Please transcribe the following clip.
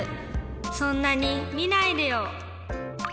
そんなにみないでよ。